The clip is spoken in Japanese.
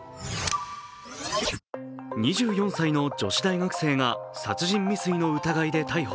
２４歳の女子大学生が殺人未遂の疑いで逮捕。